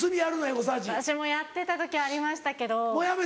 私もやってた時ありましたけど。